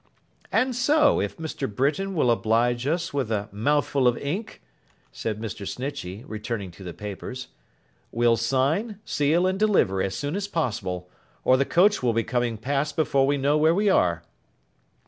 'And so, if Mr. Britain will oblige us with a mouthful of ink,' said Mr. Snitchey, returning to the papers, 'we'll sign, seal, and deliver as soon as possible, or the coach will be coming past before we know where we are.